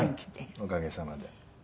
おかげさまで。